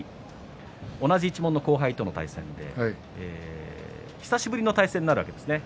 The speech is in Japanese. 同じ一門の後輩との対戦で久しぶりの対戦になるわけですね。